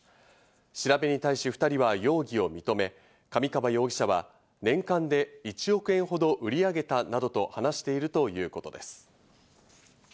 調べに対し、２人は容疑を認め、神川容疑者は年間で１億円ほど売り上げたなどと話しているということです。